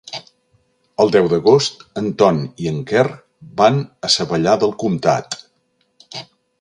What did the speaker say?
El deu d'agost en Ton i en Quer van a Savallà del Comtat.